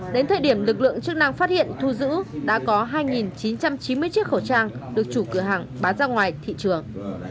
đến thời điểm lực lượng chức năng phát hiện thu giữ đã có hai chín trăm chín mươi chiếc khẩu trang được chủ cửa hàng bán ra ngoài thị trường